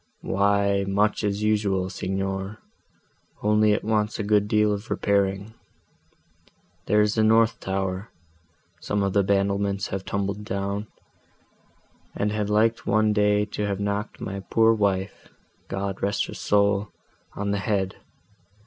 "Why much as usual, Signor, only it wants a good deal of repairing. There is the north tower—some of the battlements have tumbled down, and had liked one day to have knocked my poor wife (God rest her soul!) on the head.